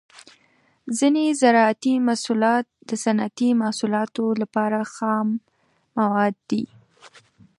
ځینې زراعتي محصولات د صنعتي محصولاتو لپاره خام مواد دي.